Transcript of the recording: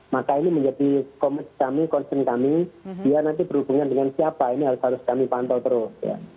maka ini menjadi kami concern kami dia nanti berhubungan dengan siapa ini harus kami pantau terus ya